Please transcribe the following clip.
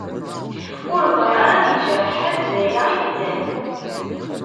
Ur bɣiɣ ara ad yejreḥ ḥedd, d aya i yellan.